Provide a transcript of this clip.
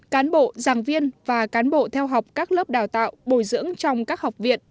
cán bộ giảng viên và cán bộ theo học các lớp đào tạo bồi dưỡng trong các học viện